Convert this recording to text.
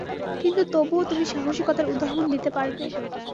কিন্তু তবুও তুমি সাহসিকতার উদাহরণ দিতে পারবে।